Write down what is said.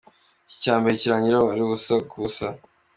Igice cya mbere kirangira ari ubusa ku busa.